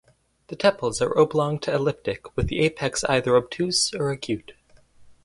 The tepals are oblong to elliptic with the apex either obtuse or acute.